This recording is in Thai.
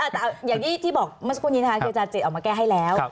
แต่อย่างที่บอกเมื่อสักครู่นี้นะคะคืออาจารย์เจตออกมาแก้ให้แล้ว